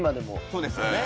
そうですよね。